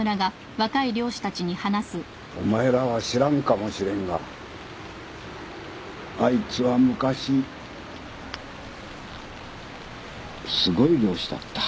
お前らは知らんかもしれんがあいつは昔すごい漁師だった。